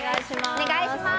お願いします